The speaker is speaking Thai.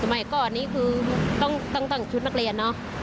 สมัยก่อนนี้คือตั้งชุดนักเรียนเนาะ